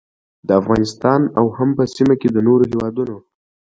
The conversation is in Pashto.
د افغانستان او هم په سیمه کې د نورو هیوادونو